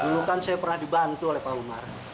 dulu kan saya pernah dibantu oleh pak umar